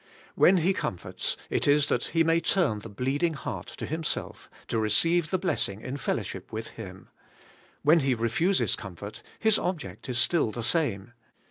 When He comforts, it is that He may turn the bleeding heart to Himself to receive the blessing in fellowship with Him ; when He refuses comfort, His object is still the same.